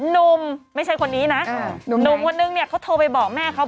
หนุ่มไม่ใช่คนนี้นะหนุ่มคนนึงเนี่ยเขาโทรไปบอกแม่เขา